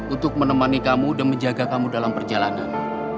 untuk menemani kamu dan menjaga kamu dalam perjalanan